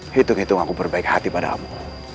hitung hitung aku perbaiki hati padamu